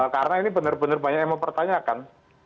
karena ini benar benar banyak yang mau pertanyakan